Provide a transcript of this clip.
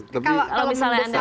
tapi kalau misalnya anda melihat